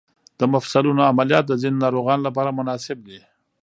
د مفصلونو عملیات د ځینو ناروغانو لپاره مناسب دي.